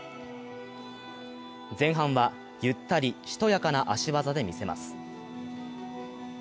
前半は、ゆったりしとやかな足技で見せます。